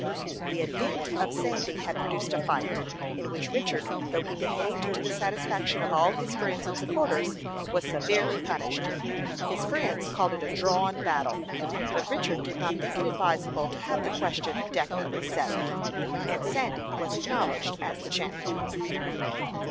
The advent of Sandy had produced a fight, in which Richard, though he behaved to the satisfaction of all his friends and supporters, was severely punished. His friends called it a drawn battle; but Richard did not think it advisable to have the question definitely settled, and Sandy was acknowledged as the champion.